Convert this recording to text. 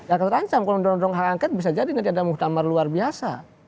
ya kalau terancam kalau mendorong hak angket bisa jadi nanti ada muktamar luar biasa